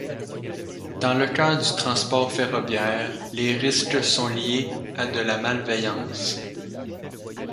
Dans le cas du transport ferroviaire, les risques sont liés à de la malveillance.